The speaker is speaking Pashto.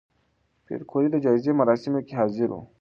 پېیر کوري د جایزې مراسمو کې حاضر و.